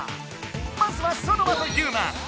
まずはソノマとユウマ！